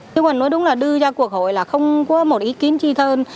nhưng mà nói đúng là đưa ra cuộc hội là không có một ý kiến chi thơn